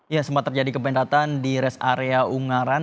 ya sempat terjadi kebentan di rest area ungaran